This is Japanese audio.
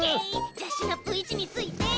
じゃあシナプーいちについて。